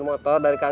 pasti udah tahan